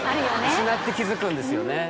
失って気付くんですよね。